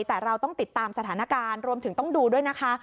แต่เราต้องติดตามสถานการณ์รวมถึงต้องดูด้วยนะคะ